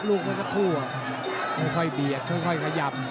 ลูกไว้สักครู่ไม่ค่อยเบียบค่อยขยับ